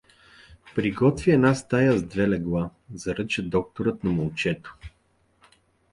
— Приготви една стая с две легла — заръча докторът на момчето.